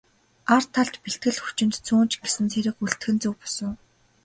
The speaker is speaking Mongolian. Ар талд бэлтгэл хүчинд цөөн ч гэсэн цэрэг үлдээх нь зөв бус уу?